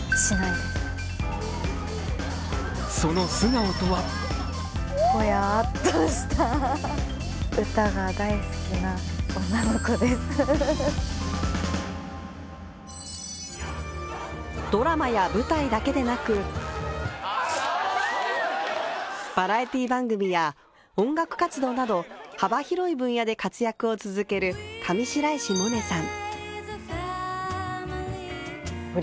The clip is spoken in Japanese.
その素顔とはドラマや舞台だけでなくバラエティー番組や音楽活動など幅広い分野で活躍を続ける上白石萌音さん。